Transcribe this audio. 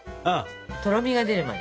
とろみが出るまで。